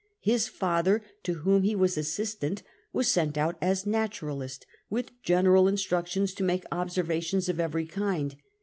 His father, to whom he was assistant, was sent out as naturalist, with general in structions to make observations of every kind.